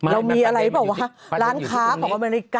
เราก็